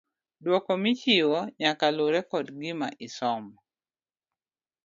Duoko michiwo nyaka lure kod gima isomo.